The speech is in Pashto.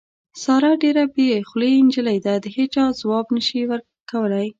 ساره ډېره بې خولې نجیلۍ ده، د هېچا ځواب هم نشي کولی.